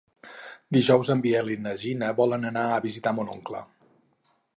Dijous en Biel i na Gina volen anar a visitar mon oncle.